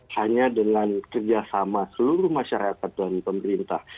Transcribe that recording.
hanya dengan kerjasama seluruh masyarakat dan pemerintah